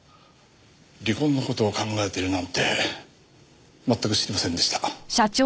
離婚の事を考えているなんて全く知りませんでした。